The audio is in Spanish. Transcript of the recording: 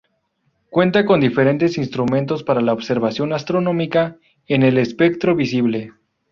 Cuenta con diferentes instrumentos para la observación astronómica en el espectro visible.